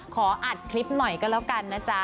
ขออัดคลิปหน่อยก็แล้วกันนะจ๊ะ